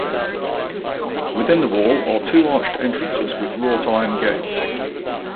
Within the wall are two arched entrances with wrought iron gates.